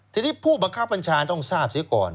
ทีนี้ผู้บังคับบัญชาต้องทราบเสียก่อน